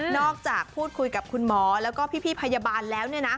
จากพูดคุยกับคุณหมอแล้วก็พี่พยาบาลแล้ว